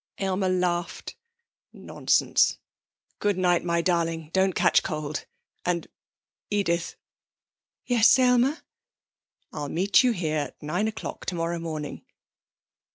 Aylmer laughed. 'Nonsense! Good night, my darling don't catch cold. And, Edith.' 'Yes, Aylmer?' 'I'll meet you here at nine o'clock tomorrow morning.'